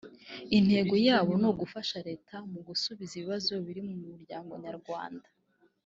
Intego yabo ni ugufasha Leta mu gusubiza ibibazo biri mu muryango nyarwanda